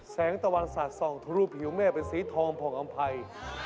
แสงตะวันศาสตร์ทรูผิวเมฆเป็นสีทองผ่องอำไพร